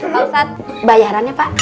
maksud saya bayarannya pak